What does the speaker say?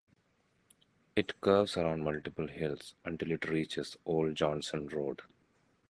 It curves around multiple hills, until it reaches Old Johnson Road.